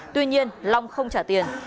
tuy nhiên long không trả tiền